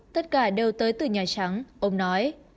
tất cả đều tới từ nhà trắng ông nói